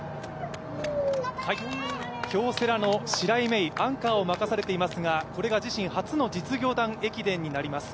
京セラの白井明衣、アンカーを任されていますが、これが自身初の実業団駅伝になります。